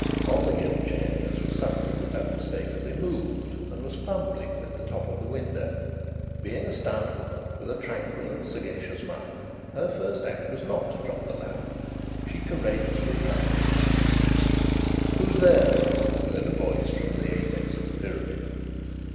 On the gilt chairs was something that unmistakably moved, and was fumbling with the top of the window. Being a stout woman with a tranquil and sagacious mind, her first act was not to drop the lamp. She courageously clung to the lamp. "Who's there?" said a voice from the apex of the pyramid.